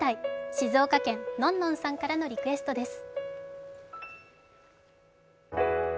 静岡県、のんのんさんからのリクエストです。